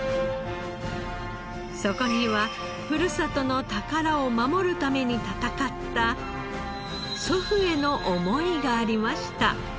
そこにはふるさとの宝を守るために闘った祖父への思いがありました。